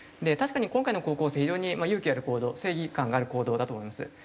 確かに今回の高校生非常に勇気ある行動正義感がある行動だと思います。